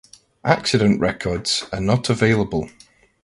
Accident records are not available.